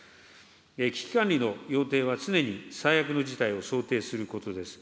危機管理の要諦は常に最悪の事態を想定することです。